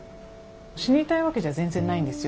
死にたいわけじゃ全然ないんですよ。